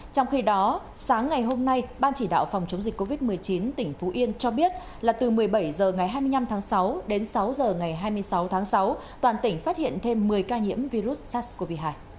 trong khi đó sáng ngày hôm nay ban chỉ đạo phòng chống dịch covid một mươi chín tỉnh phú yên cho biết là từ một mươi bảy h ngày hai mươi năm tháng sáu đến sáu h ngày hai mươi sáu tháng sáu toàn tỉnh phát hiện thêm một mươi ca nhiễm virus sars cov hai